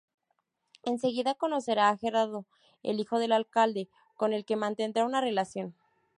Enseguida conocerá a Gerardo, el hijo del alcalde, con el que mantendrá una relación.